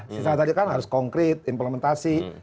sisa tadi kan harus konkret implementasi